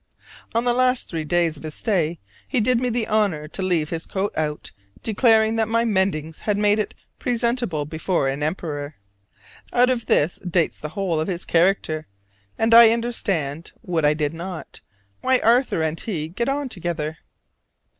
On the last three days of his stay he did me the honor to leave his coat out, declaring that my mendings had made it presentable before an emperor. Out of this dates the whole of his character, and I understand, what I did not, why Arthur and he get on together.